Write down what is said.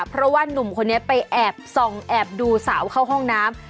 เพราะว่านุ่มคนนี้ไปแอบส่องแอบดูสาวเข้าห้องน้ำ